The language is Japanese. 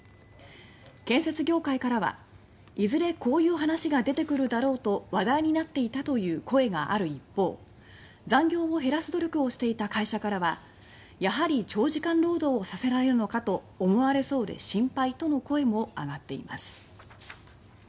建設業界からは「いずれこういう話が出てくるだろうと話題になっていた」という声がある一方残業を減らす努力をしていた会社からは「やはり長時間労働をさせられるのかと思われそうで心配」との声も上がっています。